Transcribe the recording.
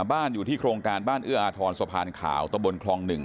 บ้านอยู่ที่โครงการบ้านเอื้ออาทรสะพานขาวตะบนคลอง๑